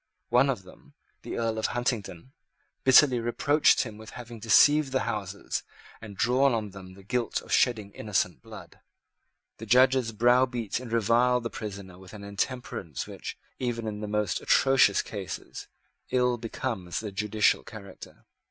One of them, the Earl of Huntingdon, bitterly reproached him with having deceived the Houses and drawn on them the guilt of shedding innocent blood. The Judges browbeat and reviled the prisoner with an intemperance which, even in the most atrocious cases, ill becomes the judicial character.